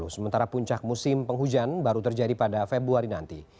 sementara puncak musim penghujan baru terjadi pada februari nanti